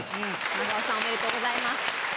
長尾さんおめでとうございます。